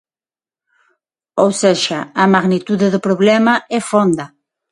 Ou sexa, a magnitude do problema é fonda.